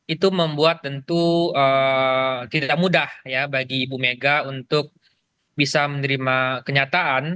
itu membuat tentu tidak mudah ya bagi ibu mega untuk bisa menerima kenyataan